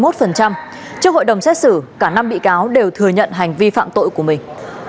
trước hội đồng xét xử cả năm bị cáo đều thừa nhận hành vi phạm tội của mình